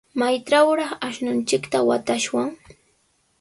¿Maytrawraq ashnunchikta watashwan?